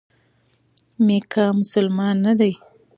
میکا مسلمان نه دی.